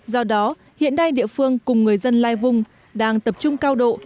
do đó hiện nay địa phương cùng người dân lai vùng đang tập trung cao độ